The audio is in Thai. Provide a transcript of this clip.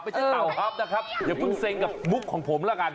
ไม่ใช่เต่าฮับนะครับเดี๋ยวเพิ่งเซงกับมุกของผมแล้วกัน